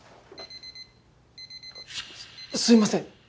すすいません！